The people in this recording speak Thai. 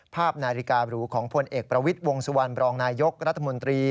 ภาพนาฬิการูของพลเอกประวิทย์วงสุวรรณบรองนายยกรัฐมนตรี